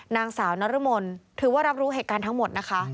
นางสาวนรมนถือว่ารับรู้เหตุการณ์ทั้งหมดนะคะ